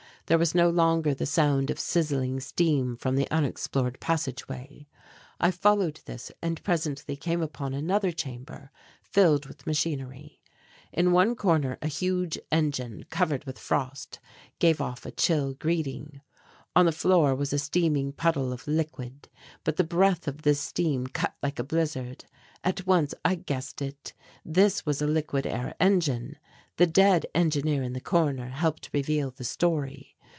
There was no longer the sound of sizzling steam from the unexplored passage way. I followed this and presently came upon another chamber filled with machinery. In one corner a huge engine, covered with frost, gave off a chill greeting. On the floor was a steaming puddle of liquid, but the breath of this steam cut like a blizzard. At once I guessed it. This was a liquid air engine. The dead engineer in the corner helped reveal the story.